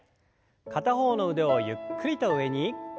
片方の腕をゆっくりと上に。